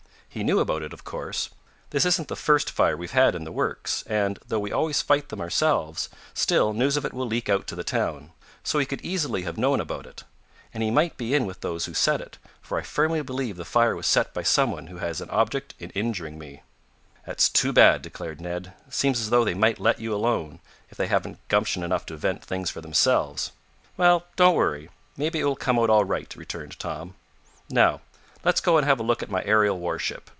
He knew about it, of course. This isn't the first fire we've had in the works, and, though we always fight them ourselves, still news of it will leak out to the town. So he could easily have known about it. And he might be in with those who set it, for I firmly believe the fire was set by someone who has an object in injuring me." "It's too bad!" declared Ned. "Seems as though they might let you alone, if they haven't gumption enough to invent things for themselves." "Well, don't worry. Maybe it will come out all right," returned Tom. "Now, let's go and have a look at my aerial warship.